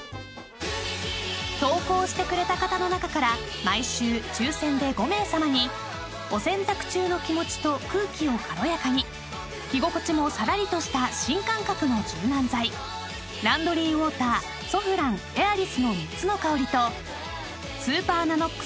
［投稿してくれた方の中から毎週抽選で５名さまにお洗濯中の気持ちと空気を軽やかに着心地もさらりとした新感覚の柔軟剤ランドリーウォーターソフランＡｉｒｉｓの３つの香りとスーパーＮＡＮＯＸ